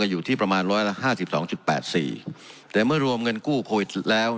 อยู่ที่ประมาณร้อยละห้าสิบสองจุดแปดสี่แต่เมื่อรวมเงินกู้โควิดแล้ว